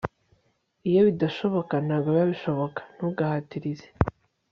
iyo bidashoboka, ntago biba bishoboka ntugahatirize